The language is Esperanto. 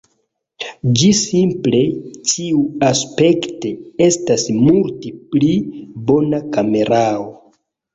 Ĝi simple ĉiuaspekte estas multi pli bona kamerao.